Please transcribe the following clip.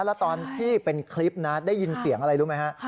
แล้วตอนที่เป็นคลิปนะได้ยินเสียงอะไรรู้ไหมฮะ